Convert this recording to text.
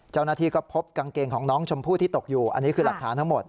เจ้าหน้าที่ก็พบกางเกงของน้องชมพู่ที่ตกอยู่อันนี้คือหลักฐานทั้งหมด